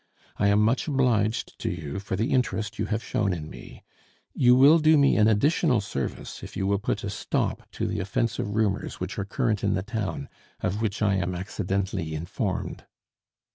I am much obliged to you for the interest you have shown in me; you will do me an additional service if you will put a stop to the offensive rumors which are current in the town, of which I am accidentally informed."